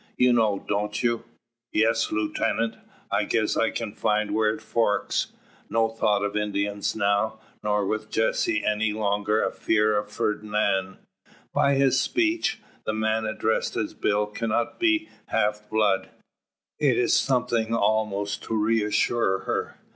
You know, don't you?" "Yes, lootenant; I guess I kin find where it forks." No thought of Indians now nor with Jessie any longer a fear of Fernand. By his speech, the man addressed as Bill cannot be the half blood. It is something almost to reassure her.